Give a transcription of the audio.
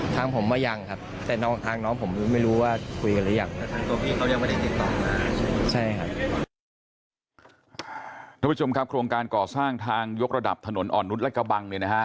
ท่านผู้ชมครับโครงการก่อสร้างทางยกระดับถนนอ่อนนุษย์และกระบังเนี่ยนะฮะ